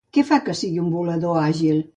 Què fa que sigui un volador àgil?